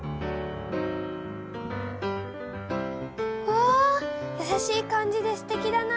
うわっやさしい感じですてきだな。